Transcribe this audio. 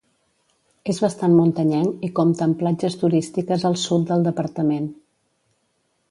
És bastant muntanyenc i compta amb platges turístiques al sud del departament.